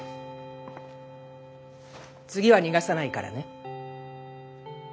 次は逃がさないからね。